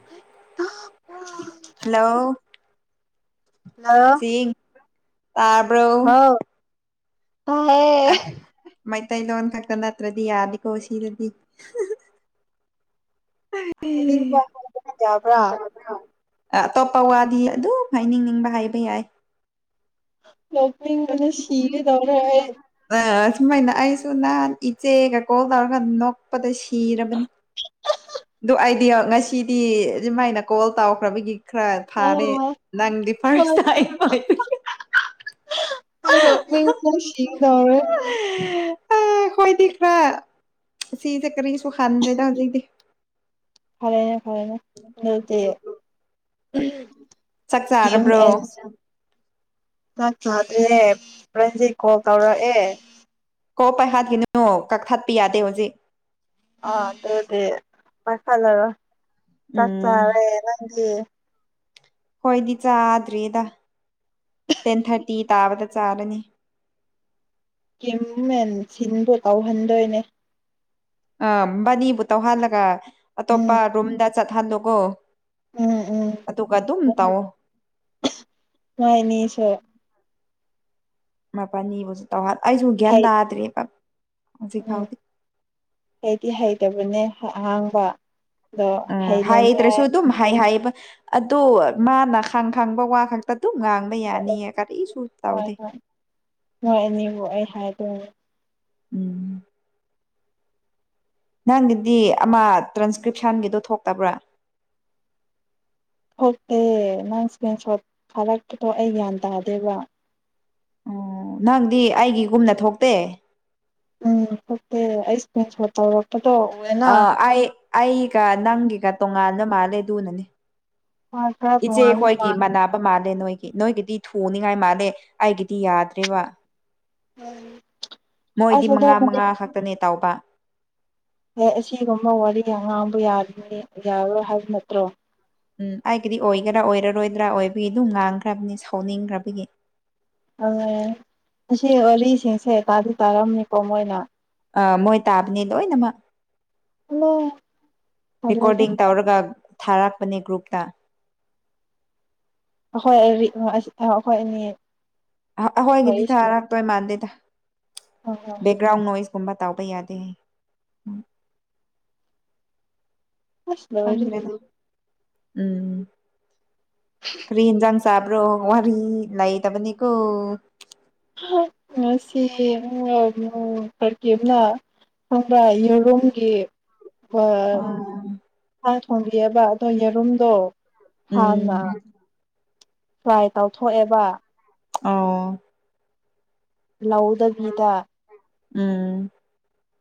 [unintelligible] Hello ꯍ ꯇꯔꯕꯣ ꯑ ꯃꯩꯇꯩꯂꯣꯟ ꯈꯛꯇ ꯅꯠꯇ꯭ꯔꯗꯤ ꯌꯥꯅꯤꯀꯣ ꯁꯤꯗꯗꯤ ꯎ ꯍꯗ ꯌꯥꯕ꯭ꯔꯥ ꯑꯇꯣꯞꯄ ꯋꯥꯗꯤ ꯑꯗꯨꯝ ꯍꯥꯏꯅꯤꯡꯅꯤꯡꯕ ꯍꯥꯏꯕ ꯌꯥꯏ꯫ ꯅꯣꯛꯅꯤꯡꯕꯅ ꯁꯤꯒꯦ ꯇꯧꯔꯦ ꯑꯩ꯫ ꯑ ꯁꯨꯃꯥꯏꯅ ꯑꯩꯁꯨ ꯅꯍꯥꯟ ꯏꯆꯦꯒ ꯀꯣꯜ ꯇꯧꯔꯒ ꯅꯣꯛꯄꯗ ꯁꯤꯔꯕꯅꯤ꯫ ꯑꯗꯨ ꯑꯩꯗꯤ ꯉꯁꯤꯗꯤ ꯑꯗꯨꯃꯥꯏꯅ ꯀꯣꯜ ꯇꯧꯈ꯭ꯔꯕꯒꯤ꯫ ꯈ꯭ꯔꯥ ꯑꯣ ꯐꯥꯔꯦ ꯅꯪꯗꯤ ꯐꯥꯁ ꯇꯥꯏ ꯑꯩꯗꯣ ꯁꯤꯒꯗꯧꯔꯦ꯫ ꯑꯈꯣꯏꯗꯤ ꯈꯔ ꯁꯤꯁꯦ ꯀꯔꯤꯁꯨ ꯍꯟꯗ꯭ꯔꯦꯗ ꯍꯧꯖꯤꯛꯇꯤ꯫ ꯐꯔꯦꯅꯦ ꯐꯔꯦꯅꯦ ꯑꯗꯨꯗꯤ꯫ ꯆꯥꯛ ꯀꯦꯝ ꯆꯥꯔꯕ꯭ꯔꯣ ꯑꯦꯁ꯫ ꯆꯥꯛ ꯆꯥꯗ꯭ꯔꯦ ꯄꯔꯟꯖꯤꯠ ꯀꯣꯜ ꯇꯧꯔꯛꯑꯦ꯫ ꯀꯣ ꯄꯥꯏꯍꯠꯈꯤꯅꯣ ꯀꯛꯊꯠꯄ ꯌꯥꯗꯦ ꯍꯧꯖꯤꯛ꯫ ꯑ ꯑꯗꯨꯗꯤ ꯄꯥꯏꯈꯠꯂꯔꯣ ꯆꯥꯛ ꯎꯝ ꯆꯥꯔꯦ ꯅꯪꯗꯤ꯫ ꯍꯣꯏꯗꯤ ꯆꯥꯗ꯭ꯔꯤꯗ ꯇꯦꯟ ꯊꯥꯔꯇꯤ ꯇꯥꯕꯗ ꯆꯥꯔꯅꯤ꯫ ꯀꯤꯝꯃꯦꯟ ꯁꯤꯟꯗꯨ ꯇꯧꯍꯟꯗꯣꯏꯅꯦ꯫ ꯑ ꯃꯕꯥꯅꯤꯕꯨ ꯇꯧꯍꯜꯂꯒ ꯎꯝ ꯑꯇꯣꯞꯄ ꯔꯨꯝꯗ ꯆꯠꯍꯜꯂꯨꯒꯣ꯫ ꯎꯝ ꯑꯗꯨꯒ ꯑꯗꯨꯝ ꯇꯧꯑꯣ꯫ ꯋꯥꯏꯅꯦ ꯑꯩꯁꯨ꯫ ꯃꯄꯅꯤꯕꯨꯁꯨ ꯇꯧꯍꯜꯂ ꯑꯩꯁꯨ ꯒ꯭ꯌꯥꯟ ꯍꯩ ꯇꯥꯗ꯭ꯔꯦꯕ ꯍꯧꯖꯤꯛ ꯐꯥꯎ꯫ ꯑꯩꯗꯤ ꯍꯩꯇꯕꯅꯦ ꯑꯍꯥꯡꯕ꯫ ꯑꯗꯣ ꯎꯝ ꯍꯥꯏꯗꯔꯥꯁꯨ ꯍꯩꯅꯅꯤꯡꯉꯥꯏ ꯑꯗꯨꯝ ꯍꯥꯏ ꯍꯥꯏꯕ꯫ ꯑꯗꯨ ꯃꯥꯅ ꯈꯪ ꯈꯪꯕ ꯋꯥ ꯈꯛꯇ ꯑꯗꯨꯝ ꯉꯥꯡꯕ ꯌꯥꯅꯤꯌꯦ ꯀꯔꯤꯁꯨ ꯍꯣꯏ ꯇꯧꯗꯦ꯫ ꯍꯣꯏ ꯑꯅꯤꯕꯨ ꯑꯩ ꯍꯥꯏꯗꯣꯏꯅꯦ꯫ ꯎꯝ꯫ ꯅꯪꯒꯤꯗꯤ ꯑꯃ ꯇ꯭ꯔꯥꯟꯁꯀ꯭ꯔꯤꯞꯁꯟꯒꯤꯗꯣ ꯊꯣꯛꯇꯕ꯭ꯔꯥ꯫ ꯊꯣꯛꯇꯦ ꯅꯪ ꯏꯁꯀ꯭ꯔꯤꯟ ꯁꯣꯠ ꯊꯥꯔꯛꯄꯗꯣ ꯑꯩ ꯒ꯭ꯌꯥꯟ ꯇꯥꯗꯦꯕ꯫ ꯑꯣ ꯅꯪꯗꯤ ꯑꯩꯒꯤꯒꯨꯝꯅ ꯊꯣꯛꯇꯦ꯫ ꯎꯝ ꯊꯣꯛꯇꯦ ꯑꯩ ꯏꯀꯔꯤꯟꯁꯣꯠ ꯇꯧꯔꯛꯄꯗꯣ꯫ ꯎꯑꯦꯅ ꯑ ꯑꯩ ꯑꯩꯒ ꯅꯪꯒꯤꯒ ꯇꯣꯉꯥꯟꯅ ꯃꯥꯜꯂꯦꯗꯨꯅꯅꯤ꯫ ꯍꯣꯏ ꯈꯔ ꯏꯆꯦ ꯇꯣꯉꯥꯟꯕ ꯍꯣꯏꯒꯤ ꯃꯥꯜ ꯃꯅꯥ ꯃꯥꯜꯂꯦ ꯅꯣꯏꯒꯤ ꯅꯣꯏꯒꯤꯗꯤ ꯊꯨꯅꯤꯉꯥꯏ ꯃꯥꯜꯂꯦ ꯑꯩꯒꯤꯗꯤ ꯌꯥꯗ꯭ꯦꯔꯤꯕ꯫ ꯃꯣꯏꯗꯤ ꯑꯁ ꯃꯉꯥ ꯑꯗꯨꯕꯨꯗꯤ ꯃꯉꯥ ꯈꯛꯇꯅꯦ ꯇꯥꯎꯕ꯫ ꯑꯦ ꯑꯁꯤꯒꯨꯝꯕ ꯋꯥꯔꯤ ꯑꯉꯥꯡꯕ ꯌꯥꯔꯤꯅꯤ ꯌꯥꯔꯔꯣꯏ ꯍꯥꯏꯕ ꯅꯠꯇ꯭ꯔꯣ꯫ ꯎꯝ ꯑꯩꯒꯤꯗꯤ ꯑꯣꯏꯒꯦꯔꯥ ꯑꯣꯏꯔꯔꯣꯏꯗ꯭ꯔꯥ ꯑꯣꯏꯕꯒꯤ ꯑꯗꯨꯝ ꯉꯥꯡꯈ꯭ꯔꯕꯅꯤ ꯁꯥꯎꯅꯤꯡꯈ꯭ꯔꯕꯒꯤ꯫ ꯑꯣ ꯑꯁꯤ ꯋꯥꯔꯤꯁꯤꯡꯁꯦ ꯇꯥꯗꯤ ꯇꯥꯔꯝꯅꯤꯀꯣ ꯃꯣꯏꯅ꯫ ꯑ ꯃꯣꯏ ꯇꯥꯕꯅꯦ ꯂꯣꯏꯅꯃꯛ꯫ ꯍꯜꯂꯣ ꯇꯜꯂꯦꯗ ꯔꯦꯀꯣꯔꯗꯤꯡ ꯇꯧꯔꯒ ꯊꯥꯔꯛꯄꯅꯦ ꯒ꯭ꯔꯨꯞꯇ꯫ ꯑꯈꯣꯏ ꯑꯦꯔꯤꯛ ꯍꯣꯏ ꯑꯈꯣꯏ ꯑꯅꯤ꯫ ꯋꯥꯔꯤ ꯑꯩꯈꯣꯏꯒꯤꯗꯤ ꯁꯥꯟꯅ ꯊꯥꯔꯛꯇꯣꯏ ꯃꯥꯟꯗꯦꯗ ꯍꯣꯏ ꯍꯣꯏ ꯕꯦꯛꯒ꯭ꯔꯥꯎꯟ ꯅꯣꯏꯁꯀꯨꯝꯕ ꯇꯥꯎꯕ ꯌꯥꯗꯦ꯫ [unintelligible] ꯈꯪꯗꯔꯦꯗ ꯎꯝ ꯀꯔꯤ ꯏꯁꯥꯡ꯫ ꯆꯥꯕ꯭ꯔꯣ ꯋꯥꯔꯤ ꯂꯩꯇꯕꯅꯤ ꯀꯣ꯫ [unintelligible] ꯈꯪꯕꯔ ꯌꯦꯔꯨꯝꯒꯤ꯫ ꯎꯝ ꯁꯥ ꯊꯣꯡꯕꯤꯑꯦꯕ ꯑꯗꯣ ꯌꯦꯔꯨꯝꯗꯣ꯫ ꯎꯝ ꯍꯥꯟꯅ ꯐꯔꯥꯏ ꯇꯧꯊꯣꯛꯑꯦꯕ꯫ ꯑꯣ꯫ ꯂꯧꯗꯕꯤꯗ꯫ ꯎꯝ꯫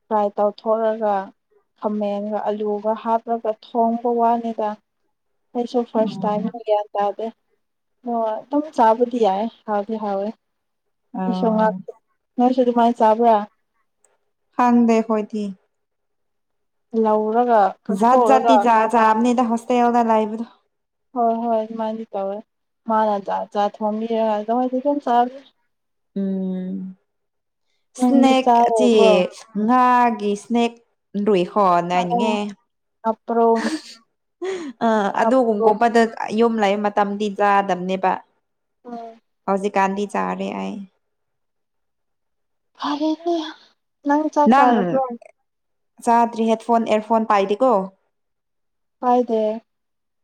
ꯐ꯭ꯔꯥꯏ ꯇꯧꯊꯣꯛꯑꯒ ꯈꯥꯃꯦꯟꯒ ꯑꯂꯨꯒ ꯍꯥꯞꯂꯒ ꯊꯣꯡꯕ ꯋꯥꯅꯤꯗ꯫ ꯑꯩꯁꯨ ꯐꯥ꯭ꯔꯁ ꯇꯥꯏꯝꯅꯤ ꯒꯌꯥꯟ ꯇꯥꯗꯦ ꯑꯣ ꯑꯗꯨꯝ ꯆꯥꯕꯗꯤ ꯌꯥꯏ ꯍꯥꯎꯗꯤ ꯍꯥꯎꯋꯦ ꯉꯁꯨ ꯉꯥ ꯑꯣ ꯑ ꯑꯗꯨꯗꯤꯃꯥꯅ ꯆꯥꯕ꯭ꯔꯥ ꯍꯪꯗꯦ ꯍꯣꯏꯗꯤ ꯂꯧꯔꯒ ꯖꯠ ꯀꯛꯊꯣꯛꯔꯒ ꯖꯥꯇꯤ ꯆꯥ ꯆꯥꯝꯅꯤꯗ ꯍꫭꯁꯇꯦꯜꯗ ꯂꯩꯕꯗꫭ ꯍꯣꯏ ꯍꯣꯏ ꯑꯗꯨꯃꯥꯏꯟꯗꯤ ꯇꯧꯋꯔ ꯃꯥꯅ ꯖꯥꯠ ꯖꯥꯠ ꯊꯧꯡꯕꯤꯔꯒ ꯅꯣꯏꯗꯤ ꯑꯗꯨꯝ ꯆꯥꯕꯅꯦ꯫ ꯎꯝ ꯅꯪꯗꯤ ꯁꯅꯦꯛ ꯑꯆꯤ ꯆꯥꯔꯕ꯭ꯔꯣ ꯉꯥꯒꯤ ꯁꯅꯦꯛ ꯔꯨꯏꯍꫭ [unintelligible] ꯅꯥꯅꯤꯡꯉꯦ ꯍꯥꯞꯄ꯭ꯔꯣ ꯑ ꯍꯥꯞꯄ꯭ꯔꯣ ꯑꯗꯨꯒꯨꯝꯒꯨꯝꯕꯗ ꯌꯨꯝ ꯂꯩꯕ ꯃꯇꯝꯗꯤ ꯆꯥꯗꯕꯅꯦꯕ ꯎꯝ ꯍꯧꯖꯤꯛ ꯀꯥꯟꯗꯤ ꯆꯥꯔꯦ ꯑꯩ ꯐꯔꯦꯅ‌ꯦ ꯅꯪ ꯆꯥꯗ꯭ꯔꯤ ꯍꯦꯠꯐꯣꯟ ꯏꯌꯥꯔꯐꯣꯟ ꯄꯥꯏꯗꯦꯀꯣ ꯄꯥꯏꯗꯦ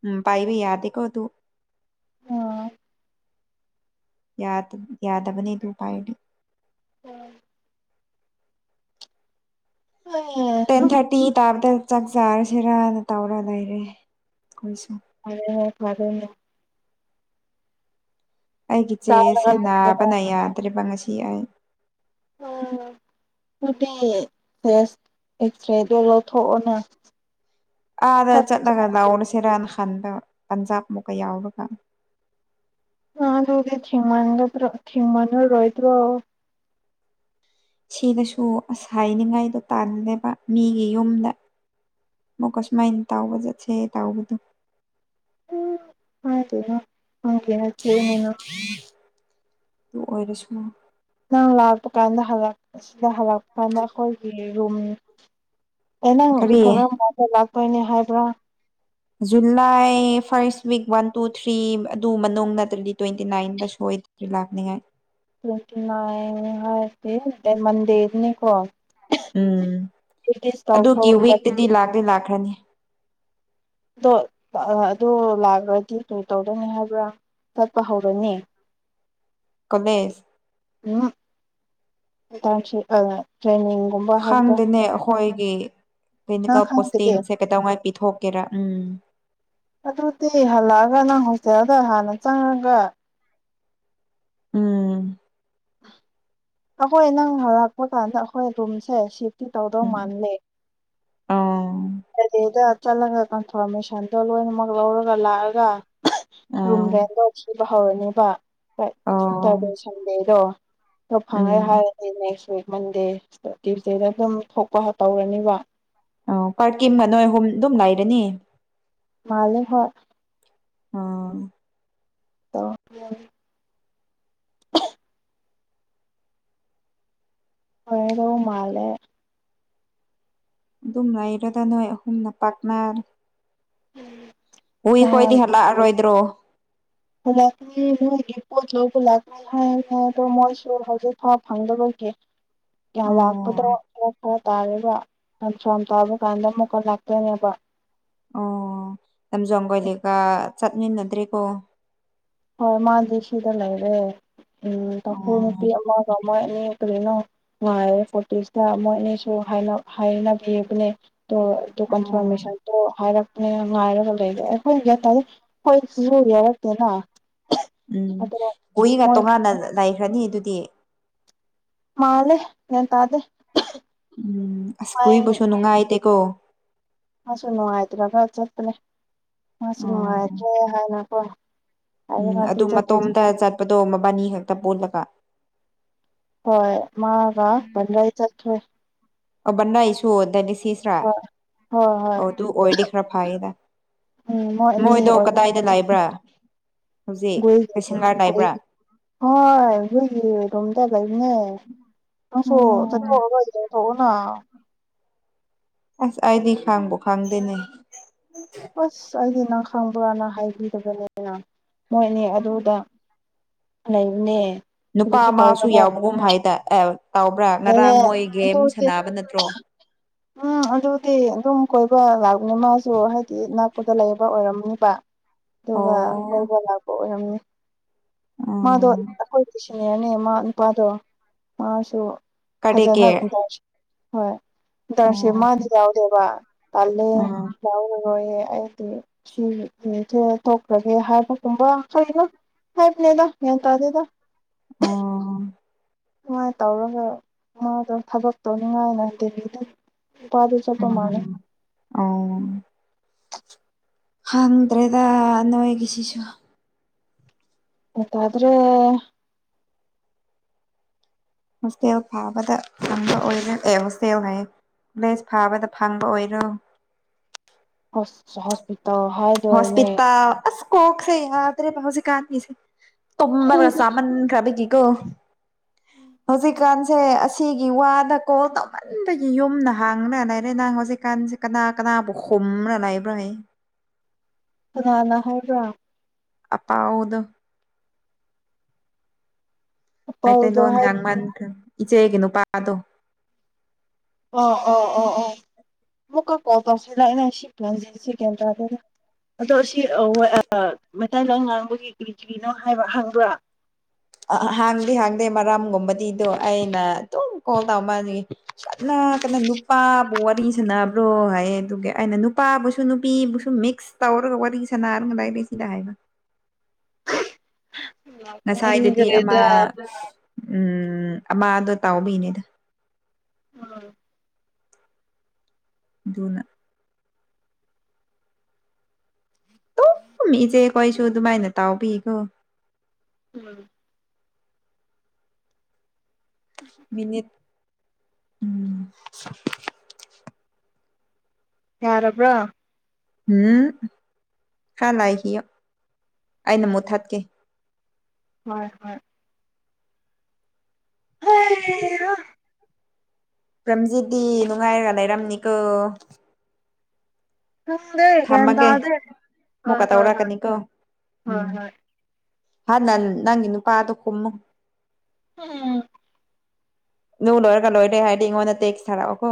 ꯎꯝ ꯄꯥꯏꯕ ꯌꯥꯗꯦ ꯀꯣ ꯇꯨ ꯑꯥ ꯌꯥꯗ ꯌꯥꯗꯕꯅꯦ ꯑꯗꯨ ꯄꯥꯏꯔꯗꯤ ꯎꯝ ꯐꯔꯦꯅꯦ ꯇꯦꯟ ꯊꯥꯔꯇꯤ ꯇꯥꯕꯗ ꯆꯥꯛ ꯆꯥꯔꯁꯤꯔꯅ ꯇꯧꯔ ꯂꯩꯔꯦ ꯑꯩꯈꯣꯏꯁꯨ ꯐ꯭ꯔꯦꯅꯦ ꯐ꯭ꯔꯦꯅꯦ ꯑꯩꯒꯤ ꯆꯦꯁꯁꯦ ꯆꯥꯔꯒ ꯂꯩꯔꯒ ꯅꯥꯕꯅ ꯌꯥꯗ꯭ꯔꯦꯕ ꯉꯁꯤ ꯑꯩ ꯑꯥ ꯑꯗꯨꯗꯤ ꯇꯦꯁ ꯑꯦꯛꯁꯔꯦꯗꯣ ꯂꯧꯊꯣꯛꯑꯣꯅꯥ ꯑꯥꯗ ꯆꯠꯂꯒ ꯂꯧꯔꯁꯤꯔꯅ ꯈꯟꯕ ꯄꯟꯖꯥꯕ ꯑꯃꯨꯛꯀ ꯌꯧꯔꯒ ꯑ ꯑꯗꯨꯗꯤ ꯊꯦꯡꯃꯟꯒꯗ꯭ꯔ ꯊꯦꯃꯟꯑꯔꫭꯏꯗ꯭ꯔꫭ ꯁꯤꯗꯁꯨ ꯑꯁ ꯍꯥꯏꯅꯤꯡꯉꯥꯏꯗꯣ ꯇꯥꯟꯕꯅꯦꯕ ꯃꯤꯒꯤ ꯌꯨꯝꯗ ꯃꯨꯛꯀꯁꯨꯃꯥꯏꯅ ꯇꯥꯎꯕ ꯆꯠꯁꯦ ꯇꯥꯎꯕꯗꯣ ꯎꯝ ꯍꯥꯏꯗꯦꯅ ꯍꯡꯒꯦꯅꯆꯦꯅꯤꯅ [unintelligible] ꯎ [unintelligible] ꯑꯗꯨ ꯑꯣꯏꯔꯁꯨ ꯅꯪ ꯂꯥꯛꯄ ꯀꯥꯟꯗ ꯍꯜꯂꯛ ꯑꯁꯤꯗ ꯍꯜꯂꯛꯄ ꯅꯈꯣꯏꯒꯤ ꯔꯨꯝ ꯑꯦ ꯅꯪ ꯀꯔꯤ ꯀꯔꯝꯀꯥꯟꯗ ꯂꯥꯛꯇꯣꯏꯅꯦ ꯍꯥꯏꯕ꯭ꯔꯥ July first week one two three ꯑꯗꯨ ꯃꯅꯨꯡ ꯅꯠꯇ꯭ꯔꯗꯤ ꯇ꯭ꯋꯦꯟꯇꯤ ꯅꯥꯏꯟꯗ ꯁꯣꯏꯗꯕꯤ ꯂꯥꯛꯅꯤꯉꯥꯏ ꯇꯋꯦꯟꯇꯤ ꯅꯥꯏ ꯍꯥꯏꯁꯦ ꯇꯦꯟ ꯃꯟꯗꯦꯗꯅꯤ ꯀꯣ ꯎꯝ ꯑꯗꯨꯒꯤ ꯇꯧꯊꯣꯛ ꯋꯤꯛꯇꯗꯤ ꯂꯥꯛꯇꯦ ꯂꯥꯛꯈ꯭ꯔꯅꯤ ꯑꯗꯣ ꯑꯗꯣ ꯂꯥꯛꯈ꯭ꯔꯗꯤ ꯇꯨ ꯇꯧꯗꯧꯅꯤ ꯍꯥꯏꯕ꯭ꯔꯥ ꯆꯠꯄ ꯍꯧꯔꯅꯤ ꯀꫭꯂꯦꯁ ꯎꯝꯃ ꯇ꯭ꯔꯆꯤꯡ [unintelligible] ꯑꯥ ꯇ꯭ꯔꯦꯅꯤꯡ ꯈꯪꯗꯦꯅꯦ ꯑꯩꯈꯣꯏꯒꯤ ꯅꯪ ꯐꯦꯅꯤꯀꯦꯜ ꯈꯪꯗꯦ ꯄꯣꯁꯇꯤꯡꯁꯦ ꯀꯩꯗꯧꯉꯥꯏ ꯄꯤꯊꯣꯛꯀꯦꯔꯥ ꯎꯝ ꯑꯗꯨꯗꯤ ꯍꯜꯂꯛꯑꯒ ꯅꯪ ꯍꯣꯁꯇꯦꯜꯗ ꯍꯥꯟꯅ ꯆꯪꯉꯒ ꯎꯝ ꯑꯩꯈꯣꯏ ꯅꯪ ꯍꯔꯥꯛꯄ ꯀꯥꯟꯗ ꯑꯩꯈꯣꯏ ꯔꯨꯝꯁꯦ ꯁꯤꯐꯇꯤ ꯇꯧꯗꯧ ꯃꯥꯜꯂꯦ ꯑꫭ ꯑꯗꯩꯗ ꯆꯠꯂꯒ ꯀꯟꯐꯔꯃꯦꯁꯟꯗꯣ ꯂꯣꯏꯅꯃꯛ ꯂꯧꯔꯒ ꯂꯥꯛꯑꯒ ꯔꯨꯝ ꯑꯥ ꯔꯦꯟꯗꯣ ꯊꯤꯕ ꯍꯧꯔꯅꯦꯕ ꯍꫭꯏ ꯑꯣ ꯁꯇ꯭ꯔꯗꯦ ꯁꯟꯗꯦꯗꯣ ꯐꯪꯉꯦ ꯎꯝ ꯍꯥꯏꯔꯗꯤ ꯅꯦꯛꯁ ꯋꯤꯛ ꯃꯟꯗꯦ ꯇ꯭ꯌꯨꯁꯇꯦꯗ ꯑꯗꯨꯝ ꯊꯣꯛꯄ ꯇꯧꯔꯅꯤꯕ ꯑꯣ ꯀꯥꯔꯀꯤꯝꯒ ꯅꯣꯏ ꯑꯍꯨꯝ ꯑꯗꯨꯝ ꯂꯩꯔꯅꯤ ꯃꯥꯜꯂꯦ ꯍꫭꯏ ꯑꯣ ꯇꯧꯔꯛ ꯇ꯭ꯔꯦ ꯑꫭꯒꯗꯧꯕ ꯃꯥꯜꯂꯦ ꯑꯗꯨꯝ ꯂꯩꯔꯗ ꯅꯣꯏ ꯑꯍꯨꯝꯅ ꯄꯥꯛꯅꯔ [unintelligible] ꯎꯝ ꯍꯨꯏꯈꯣꯏꯗꯤ ꯍꯜꯂꯛꯑꯔꯣꯏꯗ꯭ꯔꯣ ꯍꯂꯛꯅꯤ ꯃꫭꯏꯒꯤ ꯄꯣꯠ ꯂꯧꯕ ꯂꯥꯛ ꯐꯔ ꯐꯔ ꯑꯗꯣ ꯃꯣꯏꯁꯨ ꯍꯧꯖꯤꯛ ꯐꯥꯎ ꯐꯪꯗꯕꯒꯤ ꯑꯣ [unintelligible] ꯇꯥꯔꯒ ꯑꯟꯁ꯭ꯋꯥꯟ ꯇꯥꯕ ꯀꯥꯟꯗ ꯑꯃꯨꯛꯀ ꯂꯥꯛꯇꯣꯏꯅꯦꯕ ꯑꯣ ꯂꯝꯖꯣꯡꯒꯣꯏꯂꯩꯀ ꯆꯠꯃꯤꯟꯅꯗ꯭ꯔꯦꯀꯣ ꯍꯣꯏ ꯃꯥꯗꯤ ꯁꯤꯗ ꯂꯩꯔꯦ ꯎꯝ ꯇꯥꯡꯈꯨꯜ ꯑꯣ ꯅꯨꯄꯤ ꯑꯃꯒ ꯃꯣꯏ ꯑꯅꯤ ꯀꯂꯩꯅꯣ ꯅꯨꯡꯉꯥꯏꯔꯦ ꯐꯣꯔꯇꯤꯁꯇ ꯃꯣꯏ ꯑꯅꯤꯁꯨ ꯍꯥꯏꯅ ꯍꯥꯏꯅꯕꯤꯕꯅꯦ ꯇꯣ ꯑꯇꯣꯞ ꯑꯣ ꯀꯟꯐꯔꯃꯦꯁꯟꯗꯣ ꯍꯥꯏꯔꯛ ꯅꯦ ꯉꯥꯏꯔꯒ ꯂꯩꯔꯦ ꯑꯩꯈꯣꯏ ꯅꯦꯠ ꯇꯧꯏ ꯈꯣꯏ ꯁꯤꯖꯨ ꯌꯥꯎꯔꯛꯇꯦꯅ ꯎꯝ ꯑꯗꯣ ꯒꯣꯏꯒ ꯃꯣꯏ ꯇꯣꯉꯥꯟꯅ ꯂꯩꯈ꯭ꯔꯅꯤ ꯑꯗꯨꯗꯤ ꯃꯥꯜꯂꯦ ꯒ꯭ꯌꯥꯟ ꯇꯥꯗꯦ ꯎꯝ ꯑꯁ ꯍꯌꯦꯡ ꯄꯨꯏꯕꯁꯨ ꯅꯨꯡꯉꯥꯏꯇꯦꯀꯣ ꯃꯥꯁꯨ ꯅꯨꯡꯉꯥꯏꯇ꯭ꯔꯥꯒ ꯆꯠꯄꯅꯦ ꯃꯥꯁꯨ ꯑꯣ ꯅꯨꯡꯉꯥꯏꯇ꯭ꯔꯦ ꯍꯥꯏꯅꯀꯣ ꯎꯝ ꯍꯥꯏꯔꯒꯗꯤ ꯑꯗꯨ ꯆꯠ ꯃꯇꯣꯝꯇ ꯆꯠꯄꯗꯣ ꯃꯕꯥꯅꯤ ꯈꯛꯇ ꯄꯨꯜꯂꯒ ꯍꯣꯏ ꯃꯥꯒ ꯕꯂꯣꯏ ꯆꯊꯣꯏ ꯑꯣꯕꯅꯩꯁꯨ ꯗꯅꯤꯁꯤꯁꯔꯥ ꯍꯣꯏ ꯍꯣꯏ ꯍꯣꯏ ꯑꯣ ꯇꯨ ꯑꯣꯏꯔꯗꯤ ꯈꯔ ꯐꯔꯦꯗ ꯎꯝ ꯃꯣꯏ ꯑꯅꯤ ꯃꯣꯏꯗꯣ ꯑꯣꯏ ꯀꯗꯥꯏꯗ ꯂꯥꯏꯕ꯭ꯔꯥ ꯍꯧꯖꯤꯛ ꯒꯣꯏꯒꯤ ꯀꯩꯁꯪꯒꯥꯔ ꯒꯣꯏ ꯂꯥꯏꯕ꯭ꯔꯥ [unintelligible] ꯅꯪꯁꯨ ꯆꯠꯊꯣꯛꯑꯒ ꯌꯦꯡꯊꯣꯛꯎꯅ ꯑꯁ ꯑꯩꯗꯤ ꯈꯪꯕꯨ ꯈꯪꯗꯦꯅꯦ ꯑꯁ ꯑꯩꯗꯤ ꯅꯪ ꯈꯪꯕ꯭ꯔꯥꯅ ꯍꯥꯏꯕꯤꯗꯕꯅꯤꯅ ꯃꯣꯏꯅꯤ ꯑꯗꯨꯗ ꯂꯩꯕꯅꯦ ꯅꯨꯄꯥ ꯀꯔꯤꯁꯨ ꯑꯃꯥꯁꯨ ꯇꯧꯗꯕ ꯌꯥꯎꯕꯒꯨꯝ ꯍꯥꯏꯗ ꯑꯦ ꯇꯥꯎꯕ꯭ꯔꯥ ꯑꯦ ꯉꯔꯥꯡ ꯃꯣꯏ ꯒꯦꯝ ꯑꯗꯨꯗꯤ ꯁꯥꯟꯅꯕ ꯅꯠꯇ꯭ꯔꯣ ꯎꯝ ꯑꯗꯨꯗꯤ ꯑꯗꯨꯝ ꯀꯣꯏꯕ ꯂꯥꯛꯅꯤ ꯃꯥꯁꯨ ꯍꯥꯏꯗꯤ ꯅꯛ ꯄꯗ ꯂꯩꯕ ꯑꯣꯏꯔꯝꯅꯤꯕ ꯑꯗꯨꯒ ꯑꯣ ꯀꯣꯏꯕ ꯂꯥꯛꯄ ꯑꯣꯏꯔꯝꯅꯤ ꯃꯥꯗꯣ ꯎꯝ ꯑꯩꯈꯣꯏꯒꯤꯗꯤ ꯁꯤꯅꯤꯌꯔꯅꯦ ꯃꯥ ꯅꯨꯄꯥꯗꯣ ꯃꯥꯁꯨ ꯀꯔꯤꯒꯤ [unintelligible] ꯇꯔꯁꯦ ꯎꯝ ꯃꯗꯤ ꯌꯥꯎꯗꯦꯕ ꯇꯜꯂꯦ ꯎꯝ ꯌꯥꯎꯔꯔꯣꯏꯌꯦ ꯑꯩꯗꯤ ꯁꯤ ꯃꯤꯁꯦ ꯊꯣꯛꯈ꯭ꯔꯒꯦ ꯍꯥꯏꯕꯒꯨꯝꯕ ꯀꯩꯅꯣ ꯍꯥꯏꯕꯅꯦꯗ ꯒ꯭ꯌꯥꯟ ꯇꯥꯗꯦꯗ ꯑꯣ ꯁꯨꯃꯥꯏꯅ ꯇꯧꯔꯒ ꯃꯥꯗꯣ ꯊꯕꯛ ꯇꯧꯅꯤꯡꯉꯥꯏꯅꯗꯦꯗ [unintelligible] ꯈꯪꯗ꯭ꯔꯦꯗ ꯅꯣꯏꯒꯤꯁꯤꯁꯨ ꯒ꯭ꯌꯥꯟ ꯇꯥꯗꯔꯦ ꯍꯣꯁꯇꯦꯜ ꯐꯥꯕꯗ ꯐꯪꯕ ꯑꯣꯏꯔꯦ ꯑꯦ ꯍꯣꯁꯇꯦꯜ ꯍꯥꯏꯌꯦ ꯕꯦꯁ ꯐꯥꯕꯗ ꯐꯪꯕ ꯑꯣꯏꯔꯣ ꯍꯣꯁ ꯍꯣꯁꯄꯤꯇꯥꯜ ꯍꯥꯏ ꯍꯣꯁꯄꯤꯇꯥꯜ ꯑꯁ ꯀꯣꯛꯁꯦ ꯌꯥꯗ꯭ꯔꯦꯕ ꯍꯧꯖꯤꯛ ꯀꯥꯥꯟꯒꯤꯁꯦ ꯇꯨꯝꯕꯒ ꯆꯥꯃꯟꯈ꯭ꯔꯕꯒꯤꯀꯣ ꯍꯧꯖꯤꯛ ꯀꯥꯟꯁꯦ ꯑꯁ ꯁꯤꯒꯤ ꯋꯥꯗ ꯀꯣꯜ ꯇꯧꯃꯟꯕꯒꯤ ꯌꯨꯝꯅ ꯍꯥꯡꯅ ꯂꯩꯏꯔꯦꯅ ꯍꯧꯖꯤꯛꯀꯥꯟꯁꯦ ꯀꯅꯥ ꯀꯅꯥꯕꯨ ꯈꯨꯝꯃꯔ ꯂꯩꯕ꯭ꯔꯅꯦ ꯀꯅꯥꯅ ꯍꯥꯏꯕ꯭ꯔꯥ ꯑꯄꯥꯎꯗꯣ ꯄꯥꯎꯗꯣ ꯃꯩꯇꯩꯂꯣꯟ ꯍꯥꯏ ꯉꯥꯡꯃꯟꯈ꯭ꯔꯦ ꯏꯆꯦꯒꯤ ꯅꯨꯄꯥꯗꯣ ꯑꯣ ꯑꯣ ꯑꯣ ꯑꯣ ꯑꯃꯨꯛꯀ ꯀꯣꯜ ꯇꯧꯁꯤꯜꯂꯛꯑꯦꯅꯦ ꯁꯤꯞꯉꯥꯡꯖꯦ ꯃꯁꯤ ꯒ꯭ꯌꯥꯟ ꯇꯥꯗꯦꯗ ꯑꯗꯣ ꯁꯤ ꯑꯧ ꯑꯣꯏ ꯑ ꯑ ꯃꯩꯇꯩ ꯂꯣꯟ ꯉꯥꯡꯕꯒꯤ ꯀꯔꯤ ꯀꯔꯤꯅꯣ ꯍꯥꯏꯕ ꯍꯪꯕ꯭ꯔꯥ ꯑ ꯑ ꯍꯥꯡꯗꯤ ꯍꯥꯡꯗꯦ ꯃꯔꯝꯒꯨꯝꯕꯗꯤꯗꯣ ꯑꯩꯅ ꯑꯗꯨꯝ ꯀꯣꯜ ꯇꯧ ꯃꯥꯜꯂꯤ ꯀꯟꯅ ꯀꯟꯅ ꯅꯨꯄꯥꯕꯨ ꯋꯥꯔꯤ ꯁꯥꯟꯅꯕ꯭ꯔꯣ ꯍꯥꯏꯌꯦ ꯑꯗꯨꯒꯤ ꯑꯩꯅ ꯅꯨꯄꯥꯕꯨꯁꯨ ꯅꯨꯄꯤꯕꯨꯁꯨ ꯃꯤꯛꯁ ꯇꯧꯔꯒ ꯋꯥꯔꯤ ꯁꯅꯔꯒ ꯂꯩꯕꯦ ꯁꯤꯗ ꯍꯥꯏꯕ ꯉꯁꯥꯏꯗꯨꯗꯤ ꯑꯃ ꯅꯤꯡꯈ꯭ꯔꯦꯗ ꯎꯝ ꯑꯃꯗꯣ ꯇꯥꯎꯕꯤꯅꯦꯗ ꯎꯝ ꯑꯗꯨꯅ ꯎꯝ ꯏꯆꯦ ꯀꯣꯏꯁꯨ ꯑꯗꯨꯃꯥꯏꯅ ꯇꯥꯎꯕꯤꯈꯣ ꯎꯝ ꯃꯤꯅꯤꯠ ꯎꯝ ꯌꯥꯔꯕ꯭ꯔꯥ ꯎꯝ ꯍꯔꯅ ꯍꯌꯣ ꯑꯩꯅ ꯃꯨꯠ ꯊꯠꯀꯦ ꯍꯣꯏ ꯍꯣꯏ [unintelligible] ꯄꯝꯖꯤꯠꯗꯤ ꯅꯨꯡꯉꯥꯏꯔꯒ ꯂꯩꯔꯝꯅꯤꯀꯣ ꯈꯪꯗꯦ ꯒ꯭ꯌꯥꯟ ꯊꯝꯃꯒꯦ ꯇꯥꯗꯦ ꯍꯣꯏ ꯑꯃꯨꯛꯀ ꯍꯣꯏ ꯍꯣꯏ ꯇꯧꯔꯛꯀꯅꯤꯀꯣ ꯍꯣꯏ ꯎꯝ ꯍꯣꯏ ꯍꯥ ꯅꯪ ꯅꯪꯒꯤ ꯅꯨꯄꯥꯗꯣ ꯀꯨꯝꯃ ꯎꯝ ꯅꯨꯡ ꯂꯣꯏꯔꯒ ꯂꯣꯏꯔꯦ ꯍꯥꯏꯗꯤ ꯑꯩꯉꯣꯟꯗ ꯇꯦꯛꯁ ꯊꯥꯔꯛꯑꯣ ꯀꯣ